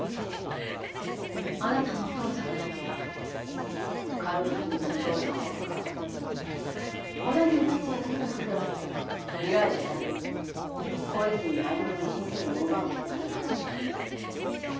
あなたのお父さんがやった軽はずみな調査報告が小田切達也だけでなく依頼者である小泉文乃の人生も奪う結果となってしまった。